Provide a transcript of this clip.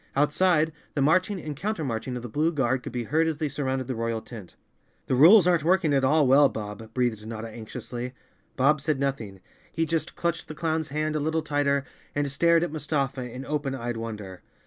Outside, the marching and coun¬ termarching of the blue guard could be heard as they surrounded the royal tent. "The rules aren't working at all well, Bob," breathed Notta anxiously. Bob said nothing. He just clutched the clown's hand a little tighter and stared at Mustafa in open eyed wonder.